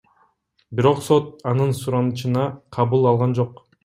Бирок сот анын суранычына кабыл алган жок.